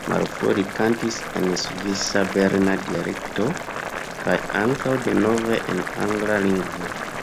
Malfrue li kantis en svisa berna dialekto, kaj ankaŭ de nove en angla lingvo.